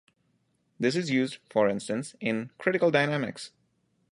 This is used, for instance, in critical dynamics.